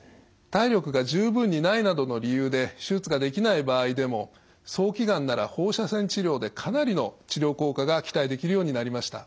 体力が十分にないなどの理由で手術ができない場合でも早期がんなら放射線治療でかなりの治療効果が期待できるようになりました。